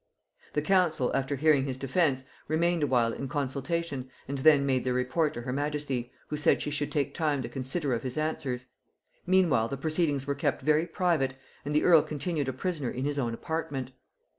The council, after hearing his defence, remained awhile in consultation and then made their report to her majesty, who said she should take time to consider of his answers: meanwhile the proceedings were kept very private, and the earl continued a prisoner in his own apartment.